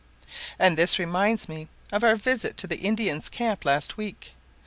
And this reminds me of our visit to the Indian's camp last week.